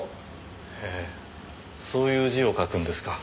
へぇそういう字を書くんですか。